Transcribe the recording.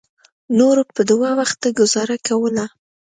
نورو به په دوه وخته ګوزاره کوله.